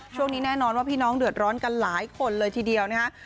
ช่วงนี้แน่นอนว่าพี่น้องเดือดร้อนกันหลายคนเลยทีเดียวนะคะ